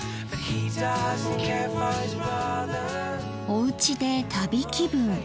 おうちで旅気分。